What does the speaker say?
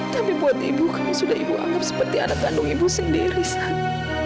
tapi buat ibu kami sudah ibu anggap seperti anak kandung ibu sendiri sana